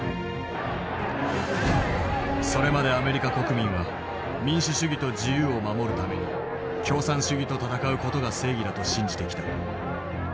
それまでアメリカ国民は民主主義と自由を守るために共産主義と戦う事が正義だと信じてきた。